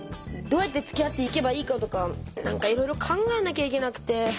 どうやってつきあっていけばいいかとかなんかいろいろ考えなきゃいけなくて。